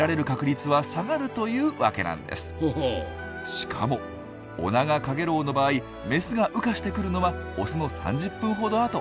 しかもオナガカゲロウの場合メスが羽化してくるのはオスの３０分ほどあと。